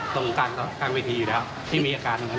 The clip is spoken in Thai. ตรงกลางวิธีอยู่แล้วที่มีอาการเหมือนกัน